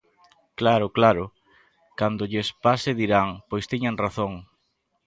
¡Claro, claro!, cando lles pase dirán: ¡Pois tiñan razón!